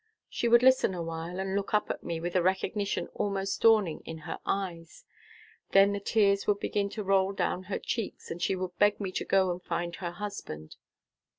She would listen awhile, and look up at me with a recognition almost dawning in her eyes. Then the tears would begin to roll down her cheeks, and she would beg me to go and find her husband.